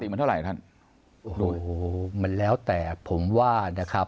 เอาไงพอว่า